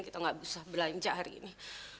kita nggak bisa belanja hari ini